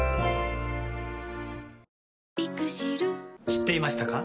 知っていましたか？